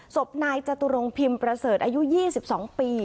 ศพนายจตุรงพิมพ์ประเสริฐอายุ๒๒ปี